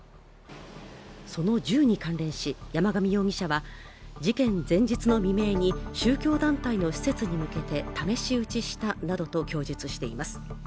その銃に関連し、山上容疑者は事件前日の未明に宗教団体の施設に向けて試し撃ちしたなどと供述しています。